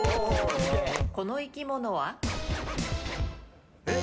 この生き物は？えっ？